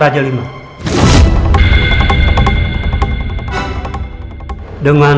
aku ada people boleh orang di akun